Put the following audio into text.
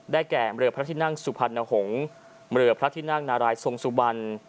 แก่เรือพระที่นั่งสุพรรณหงษ์เรือพระทินั่งนารายทรงสุบัน